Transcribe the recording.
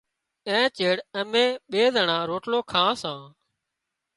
اين چيڙ امين ٻي زنڻان روٽلو کان سان۔